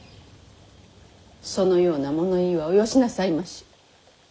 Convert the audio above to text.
そのような物言いはおよしなさいまし。